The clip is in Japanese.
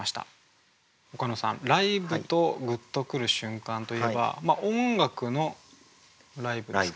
岡野さん「ライブ」と「グッとくる瞬間」といえば音楽の「ライブ」ですか？